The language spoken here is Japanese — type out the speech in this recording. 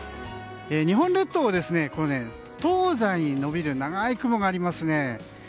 日本列島を東西に延びる長い雲がありますね。